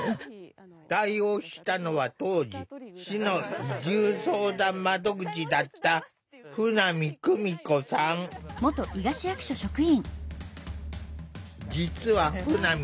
対応したのは当時市の移住相談窓口だった実は舩見さん